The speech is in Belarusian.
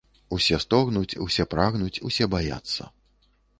Усе стогнуць, усе прагнуць, усе баяцца.